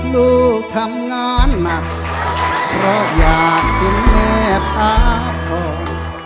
ลูกทำงานหนักเพราะอยากเห็นแม่พักผ่อน